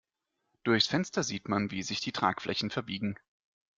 Durchs Fenster sieht man, wie sich die Tragflächen verbiegen.